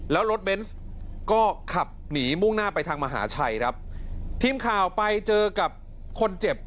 แล้วรถเบนส์ก็ขับหนีมุ่งหน้าไปทางมหาชัยครับทีมข่าวไปเจอกับคนเจ็บ